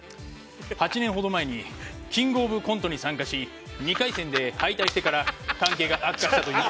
８年ほど前にキングオブコントに参加し２回戦で敗退してから関係が悪化したという事です。